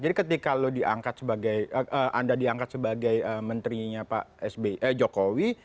jadi ketika lo diangkat sebagai anda diangkat sebagai menterinya pak jokowi